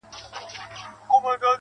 برايي نيمه شپه كي,